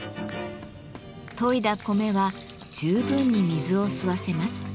研いだ米は十分に水を吸わせます。